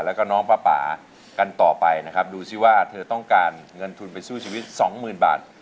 แล้วก็น้องป้าป่ากันต่อไปนะครับดูสิว่าเธอต้องการเงินทุนไปสู้ชีวิตสองหมื่นบาท